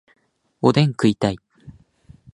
おでん食いたい